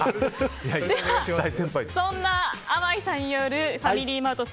では、そんなあまいさんによるファミリーマート